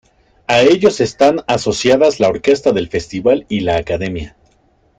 A ellos están asociadas la Orquesta del Festival y la Academia.